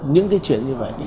những cái chuyện như vậy